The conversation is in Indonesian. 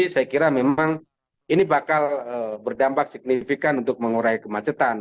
saya kira memang ini bakal berdampak signifikan untuk mengurai kemacetan